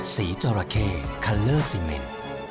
จราเขัลเลอร์ซีเมน